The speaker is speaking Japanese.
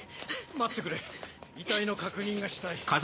待ってくれ遺体の確認がしたい。